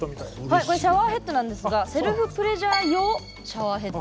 はいこれシャワーヘッドなんですがセルフプレジャー用シャワーヘッド。